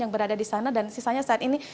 yang berada di sana dan sisanya saat ini